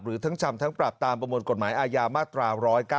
หรือทั้งจำทั้งปรับตามประมวลกฎหมายอาญามาตรา๑๙